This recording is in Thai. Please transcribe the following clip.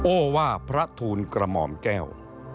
โอ้ว่าพระทูลกระหม่อมแก้ว